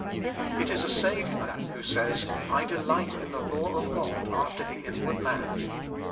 It is a saved man who says, "I delight in the law of God after the inward man."